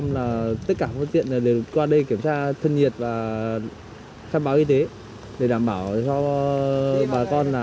là tất cả không tiện là đều qua đây kiểm tra thân nhiệt và khai báo y tế để đảm bảo cho bà con là